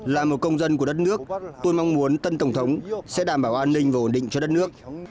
là một công dân của đất nước tôi mong muốn tân tổng thống sẽ đảm bảo an ninh và ổn định cho đất nước